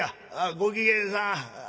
ご機嫌さん。